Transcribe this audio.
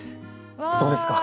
どうですか？